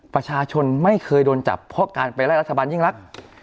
ประชาชนไม่เคยโดนจับเพราะการไปไล่รัฐบาลยิ่งรัก